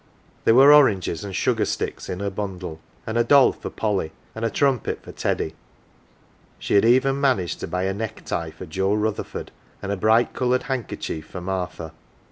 There were oranges and sugar sticks in her bundle, and a doll for Polly and a trumpet for Teddy ; she had even managed to buy a necktie for Joe Rutherford and a brightTColoured handkerchief for Martha.